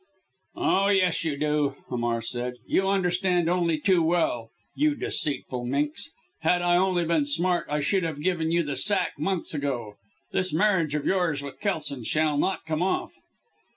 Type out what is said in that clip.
"Oh, yes, you do!" Hamar said, "you understand only too well you deceitful minx. Had I only been smart I should have given you the sack months ago. This marriage of yours with Kelson shall not come off."